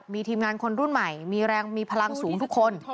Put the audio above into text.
มีทีมงานคนรุ่นใหม่มีแรงมีพลังสูงทุกคน